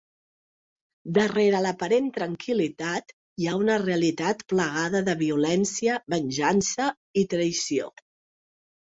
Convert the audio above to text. Darrere l’aparent tranquil·litat hi ha una realitat plagada de violència, venjança i traïció.